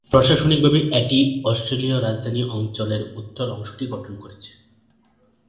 প্রশাসনিকভাবে এটি অস্ট্রেলীয় রাজধানী অঞ্চলের উত্তর অংশটি গঠন করেছে।